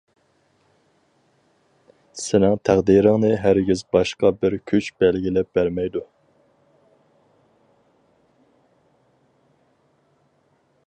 سېنىڭ تەقدىرىڭنى ھەرگىز باشقا بىر كۈچ بەلگىلەپ بەرمەيدۇ.